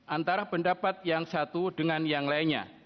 antara pendapat yang satu dengan yang lainnya